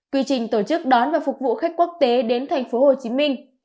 quy trình tổ chức đón và phục vụ khách quốc tế đến thành phố hồ chí minh